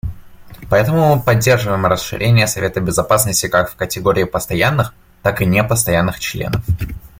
Поэтому мы поддерживаем расширение Совета Безопасности как в категории постоянных, так и непостоянных членов.